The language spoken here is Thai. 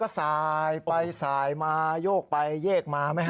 ซายไปซายมาโยกไปเย็กมามั้ยฮะ